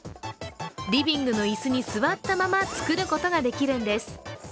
リビングの椅子に座ったまま作ることができるんです。